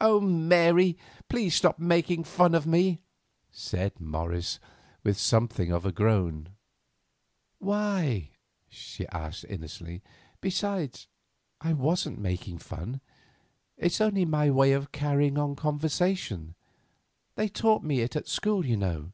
"Oh! Mary, please stop making fun of me," said Morris, with something like a groan. "Why?" she asked innocently. "Besides I wasn't making fun. It's only my way of carrying on conversation; they taught it me at school, you know."